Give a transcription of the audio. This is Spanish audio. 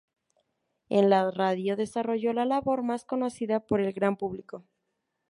En la radio desarrolló la labor más conocida por el gran público.